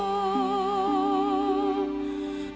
kami tas belakang